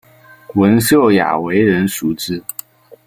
文秀雅为人熟知。